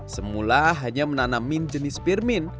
semula hanya menanam min jenis firmin